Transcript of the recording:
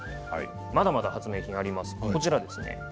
まだまだ発明品があります。